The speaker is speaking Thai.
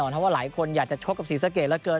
เพราะว่าหลายคนอยากจะชกกับศรีสะเกดเหลือเกิน